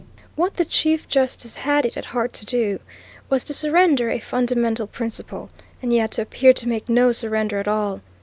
What the Chief Justice had it at heart to do was to surrender a fundamental principle, and yet to appear to make no surrender at all.